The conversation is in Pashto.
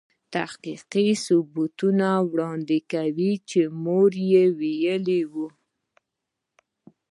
تحقیقي ثبوت وړاندې کوي چې مور يې ویلې وه.